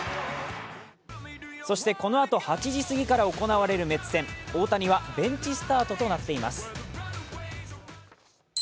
そして、このあと８時すぎから行われるメッツ戦、大谷はベンチスタートとなっています。